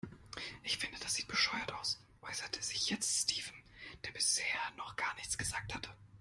Ich finde, das sieht bescheuert aus, äußerte sich jetzt Steven, der bisher noch gar nichts gesagt hatte.